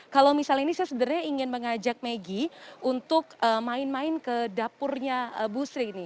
kalau misalnya ini saya sebenarnya ingin mengajak megi untuk main main ke dapurnya busri ini